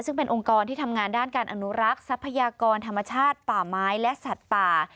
ซึ่งเป็นองค์กรที่ทำงานด้านการอนุรักษ์ทรัพยากรธรรมชาติป่าไม้และสัตว์ป่า